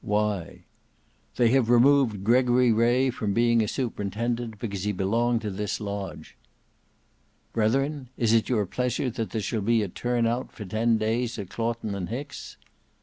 "Why?" "They have removed Gregory Ray from being a superintendent, because he belonged to this lodge." "Brethren, is it your pleasure that there shall be a turn out for ten days at Claughton and Hicks?"